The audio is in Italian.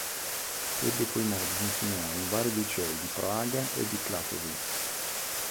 Ebbe poi modo di insegnare in vari licei di Praga e di Klatovy.